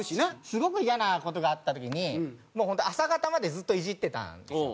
すごくイヤな事があった時にもう本当朝方までずっといじってたんです。